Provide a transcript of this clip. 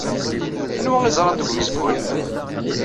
Anwa ay ẓrant deg umezgun?